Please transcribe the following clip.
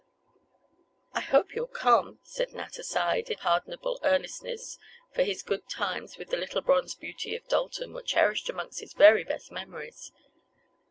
"I hope you'll come," said Nat aside, in pardonable earnestness, for his good times, with the "little bronze beauty" of Dalton, were cherished among his very best memories.